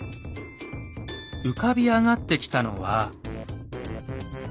浮かび上がってきたのは。